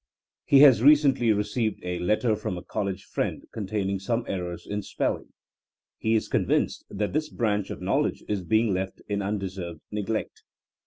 He has recently received a letter from a college friend containing some errors in spelling. He is convinced that this branch of knowledge is being left in undeserved neglect.